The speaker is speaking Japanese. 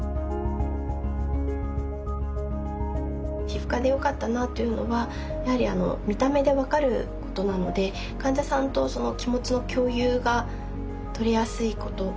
皮膚科でよかったなというのはやはり見た目で分かることなので患者さんと気持ちの共有が取りやすいこと。